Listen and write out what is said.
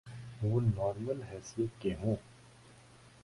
وہ نارمل حیثیت کے ہوں۔